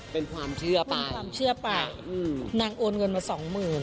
เป็นความเชื่อไปนางโอนเงินมา๒หมื่น